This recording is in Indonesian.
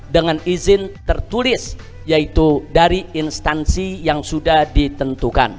dengan izin tertulis yaitu dari instansi yang sudah ditentukan